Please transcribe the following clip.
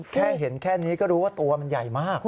แค่เห็นแค่นี้ก็รู้ว่าตัวมันใหญ่มาก